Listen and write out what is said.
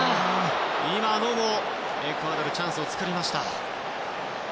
今もエクアドルチャンスを作りました。